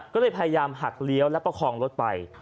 ก็เลยพยายามหักเลี้ยวและประคองรถไป